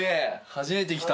初めて来た。